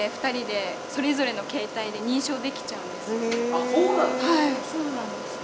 あっそうなんですか？